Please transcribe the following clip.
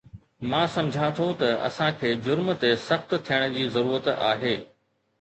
مان سمجهان ٿو ته اسان کي جرم تي سخت ٿيڻ جي ضرورت آهي